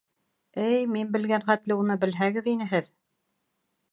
Эй, мин белгән хәтле уны белһәгеҙ ине һеҙ.